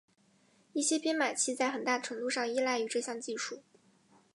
一些编码器在很大程度上依赖于这项技术。